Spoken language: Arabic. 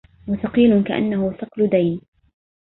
وثقيل كأنه ثقل دينِ